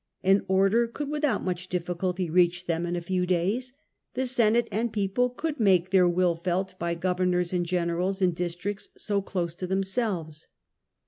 An order could without much difBculty reach them in a few days : the Senate and People could make their will felt by governors and generals in districts so close to themselves.